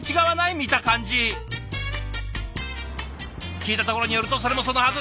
聞いたところによるとそれもそのはず。